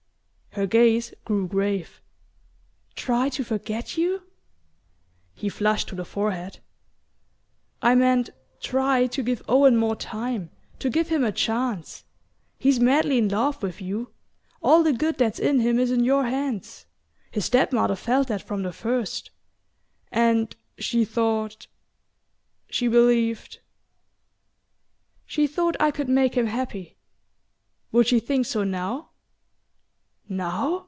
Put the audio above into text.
Her gaze grew grave. "Try to forget you?" He flushed to the forehead. "I meant, try to give Owen more time; to give him a chance. He's madly in love with you; all the good that's in him is in your hands. His step mother felt that from the first. And she thought she believed " "She thought I could make him happy. Would she think so now?" "Now...?